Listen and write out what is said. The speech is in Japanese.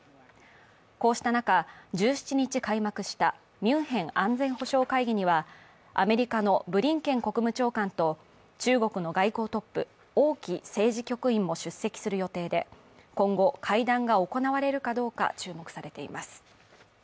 こうした中、１７日開幕したミュンヘン安全保障会議にはアメリカのブリンケン国務長官と中国の外交トップ王毅政治局員も出席する予定で今後、会談が行われるかどうか注目されています。